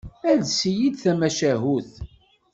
Ales-iyi-d tamacahut.